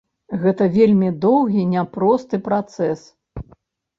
Гэта вельмі доўгі няпросты працэс.